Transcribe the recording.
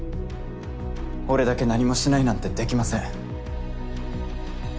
俺だけ何もしないなんてできません。